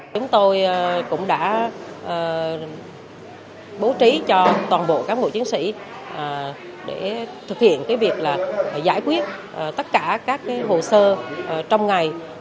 chúng tôi cũng đã bố trí cho toàn bộ cán bộ chiến sĩ để thực hiện việc giải quyết tất cả các hồ sơ trong ngày